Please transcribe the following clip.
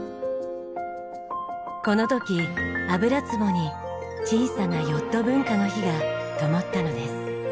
この時油壺に小さなヨット文化の火がともったのです。